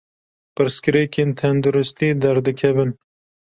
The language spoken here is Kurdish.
Pirsgirêkên tenduristiyê derdikevin.